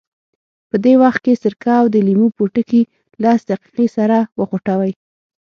په دې وخت کې سرکه او د لیمو پوټکي لس دقیقې سره وخوټوئ.